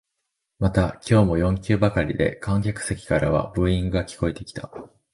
また今日も四球ばかりで観客席からはブーイングが聞こえてきた